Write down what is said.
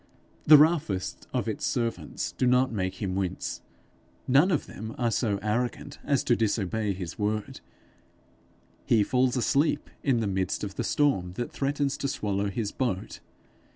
The roughest of its servants do not make him wince; none of them are so arrogant as to disobey his word; he falls asleep in the midst of the storm that threatens to swallow his boat.